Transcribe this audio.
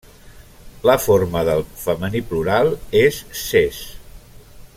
La forma del femení plural és ses.